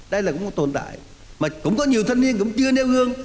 đây là cũng một tồn tại mà cũng có nhiều thanh niên cũng chưa nêu gương